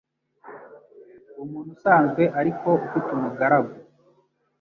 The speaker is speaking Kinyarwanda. Umuntu usanzwe ariko ufite umugaragu